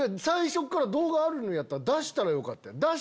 最初から動画あるんやったら出したらよかったやん。